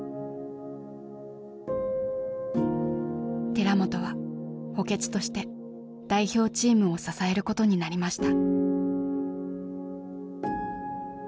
寺本は補欠として代表チームを支えることになりました。